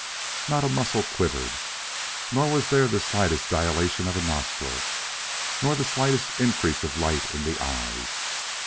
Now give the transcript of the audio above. Not a muscle quivered; nor was there the slightest dilation of a nostril, nor the slightest increase of light in the eyes.